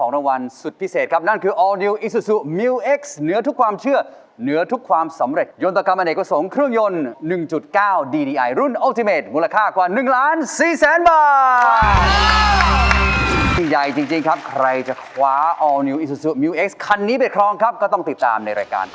ตอนที่๓เอา๑จาก๒สัปดาห์ที่ผ่านมา